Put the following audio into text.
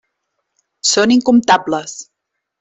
Són incomptables.